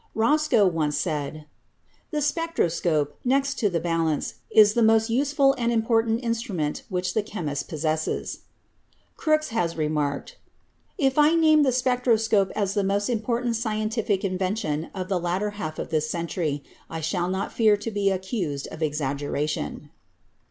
Roscoe once said, "The spectroscope, next to the bal ance, is the most useful and important instrument which the chemist possesses." Crookes has remarked, "If I name the spectroscope as the most important scientific in vention of the latter half of this century, I shall not fear to be accused of exaggeration."